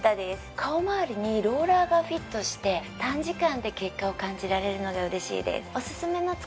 顔まわりにローラーがフィットして短時間で結果を感じられるのが嬉しいです